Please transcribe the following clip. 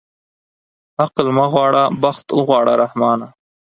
عقل مه غواړه بخت اوغواړه رحمانه.